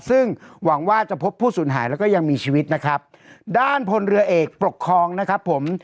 ซึ่งหวังว่าจะพบผู้สูญหายแล้วก็ยังมีชีวิตนะครับด้านพลเรือเอกปกครองนะครับผม